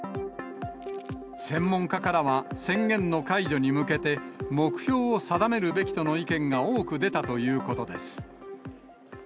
専門家からは宣言の解除に向けて、目標を定めるべきとの意見が多く出たということです。